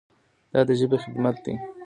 دا د ژبې خدمت دی.